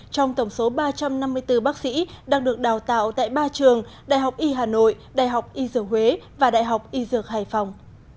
trong tổng số ba trăm năm mươi bốn bác sĩ đang được đào tạo tại ba trường đại học y hà nội đại học y dược huế và đại học y dược hải phòng